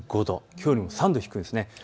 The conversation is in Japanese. きょうよりも３度低いんです。